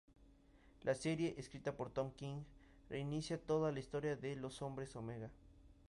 La serie, escrita por Tom King, reinicia toda la historia de los "Hombre Omega".